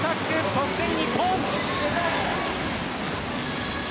得点、日本。